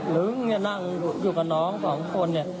หรืออยู่กับน้อง๒คน